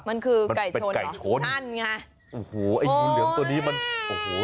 มันคือไก่ชนเหรอตั้นไงโอ้โหไอ้หุ่นเหลืองตัวนี้มันโอ้โห